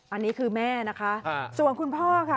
อันนี้คือแม่นะคะส่วนคุณพ่อค่ะ